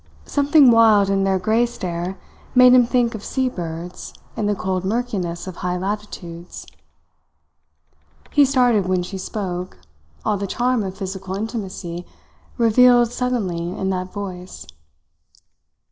Something wild in their grey stare made him think of sea birds in the cold murkiness of high latitudes. He started when she spoke, all the charm of physical intimacy revealed suddenly in that voice.